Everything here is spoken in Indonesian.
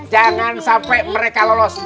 jangan sampai mereka lolos